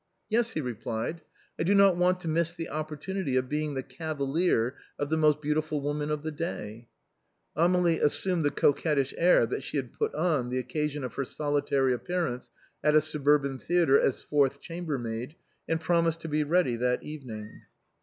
" Yes," he replied, " I do not want to miss the oppor tunity of being the cavalier of the most beautiful woman of the day." Amélie assumed the coquettish air that she had put on on the occasion of her solitary appearance at a suburban 180 THE BOHEMIANS OF THE LATIN QUARTER, theatre as fourth chambermaid^, and promised to be ready that evening.